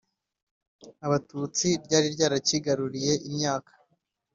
Abatutsi ryari ryarakigaruriye imyaka